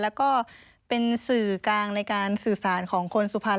แล้วก็เป็นสื่อกลางในการสื่อสารของคนสุพรรณ